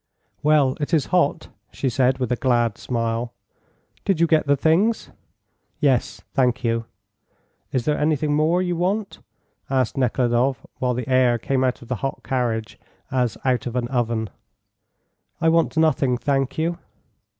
"Well, it is hot," she said, with a glad smile. "Did you get the things?" "Yes, thank you." "Is there anything more you want?" asked Nekhludoff, while the air came out of the hot carriage as out of an oven. "I want nothing, thank you."